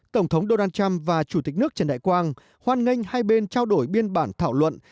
tổng thống donald trump và chủ tịch nước trần đại quang hoan nghênh hai bên trao đổi biên bản thảo luận